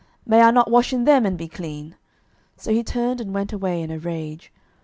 may I not wash in them, and be clean? So he turned and went away in a rage.